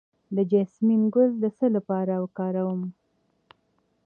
د جیسمین ګل د څه لپاره وکاروم؟